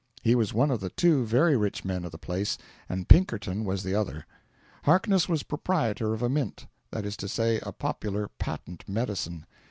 He was one of the two very rich men of the place, and Pinkerton was the other. Harkness was proprietor of a mint; that is to say, a popular patent medicine.